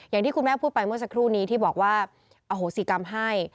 อย่างที่คุณแม่พูดไปเมื่อสักครู่นี้ที่บอกว่าอโหสิกรรมให้